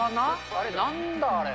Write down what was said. あれ、なんだ、あれ。